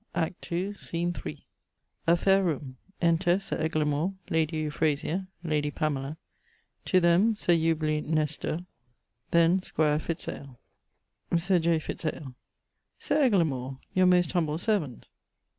=Act II, scene iii.= A faire roome. Enter Sir Eglamour, Lady Euphrasia, Lady Pamela: to them, Sir Eubule Nestor; then, squire Fitz ale. Sir J. Fitz ale. Sir Eglamour, your most humble servant.